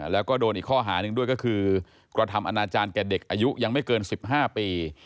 แล้วก็โดนอีกข้อหาหนึ่งด้วยก็คือกระทำอนาจารย์แก่เด็กอายุยังไม่เกิน๑๕ปี